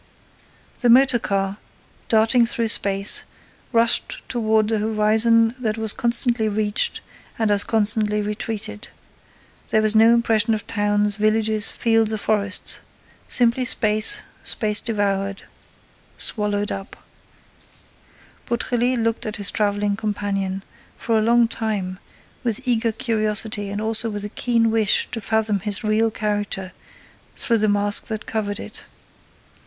The motor car, darting through space, rushed toward a horizon that was constantly reached and as constantly retreated. There was no impression of towns, villages, fields or forests; simply space, space devoured, swallowed up. Beautrelet looked at his traveling companion, for a long time, with eager curiosity and also with a keen wish to fathom his real character through the mask that covered it.